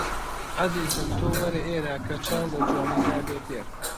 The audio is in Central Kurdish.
عەزیزم تۆ وەرە ئێرە کە چاو لە جوانی نابێ تێر